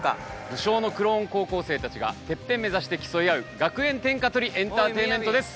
武将のクローン高校生たちがてっぺん目指して競い合う学園天下取りエンターテインメントです。